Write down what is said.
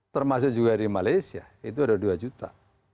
termasuk juga di malaysia itu ada dua juta